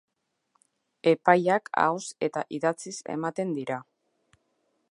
Epaiak ahoz eta idatziz ematen dira.